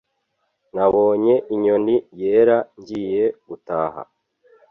nabonye inyoni yera ngiye gutaha